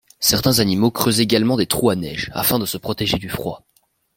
Certains animaux creusent également des trous à neige, afin de se protéger du froid.